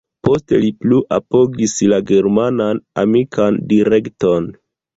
Poste li plu apogis la german-amikan direkton.